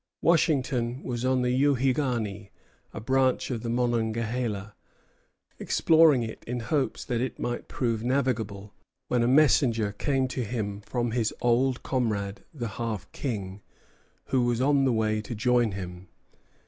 Washington was on the Youghiogany, a branch of the Monongahela, exploring it in hopes that it might prove navigable, when a messenger came to him from his old comrade, the Half King, who was on the way to join him.